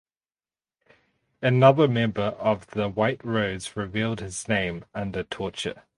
Another member of the White Rose revealed his name under torture.